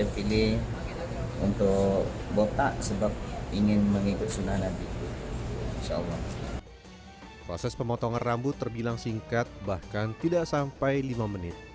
proses pemotongan rambut terbilang singkat bahkan tidak sampai lima menit